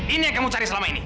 ini yang kamu cari selama ini